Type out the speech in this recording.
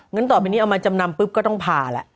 ต่อไปนี้เอามาจำนำปุ๊บก็ต้องพาแล้ว